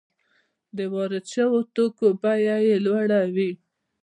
د وارد شویو توکو بیه یې لوړه وي